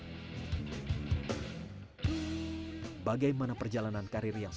yang sempurna untuk membuat film ini terdapat dari pemerintah dan pemerintah di indonesia